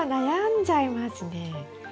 悩んじゃいますね。